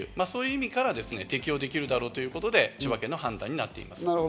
そういう意味から適応できるだろうということで、千葉県の判断になっています。